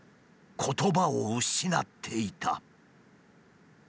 言葉を失っていた。